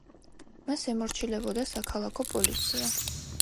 მას ემორჩილებოდა საქალაქო პოლიცია.